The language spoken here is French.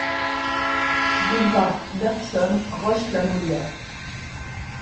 Boulevard Bergson, Roche-la-Molière